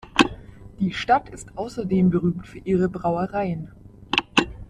Die Stadt ist außerdem berühmt für ihre Brauereien.